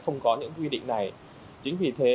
không có những quy định này chính vì thế